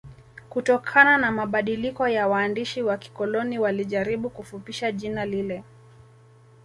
Kutokana na mabadiliko ya waandishi wa kikoloni walijaribu kufupisha jina lile